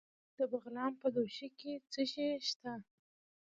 د بغلان په دوشي کې څه شی شته؟